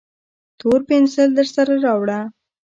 تور پینسیل درسره راوړه